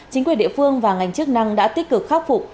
chính quyền địa phương và ngành chức năng đã tích cực khắc phục